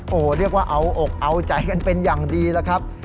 โอ้โหเรียกว่าเอาอกเอาใจกันเป็นอย่างดีแล้วครับ